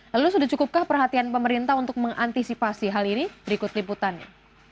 lalu sudah cukupkah perhatian pemerintah untuk mengantisipasi hal ini berikut liputannya